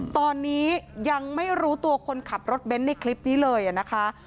ตอนนี้ยังไม่รู้ตัวคนขับรถเบนท์ในคลิปนี้เลยนะคะ